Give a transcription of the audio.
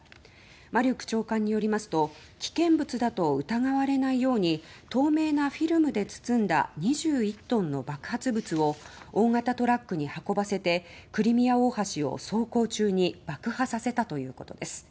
マリュク長官によりますと危険物だと疑われないように透明なフィルムで包んだ２１トンの爆発物を大型トラックに運ばせてクリミア大橋を走行中に爆破させたということです。